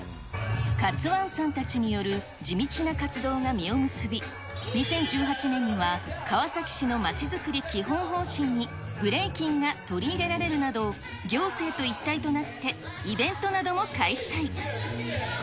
カツワンさんたちによる地道な活動が実を結び、２０１８年には、川崎市のまちづくり基本方針にブレイキンが取り入れられるなど、行政と一体となってイベントなどを開催。